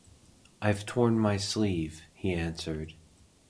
“I’ve torn my sleeve,” he answered.